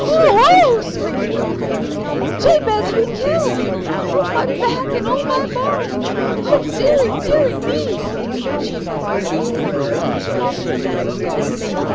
"Oh, oh!" screamed the old lady. "Jabez will be killed! Oh, my back and oh, my bones! Oh, deary, deary me!" She had crossed the porch and was hobbling down the steps.